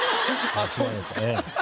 あっそうですか。